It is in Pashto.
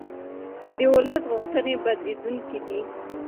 د ولس غوښتنې بدلېدونکې دي